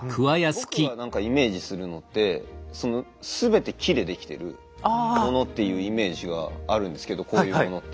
僕が何かイメージするのってその全て木で出来てるものっていうイメージがあるんですけどこういうものって。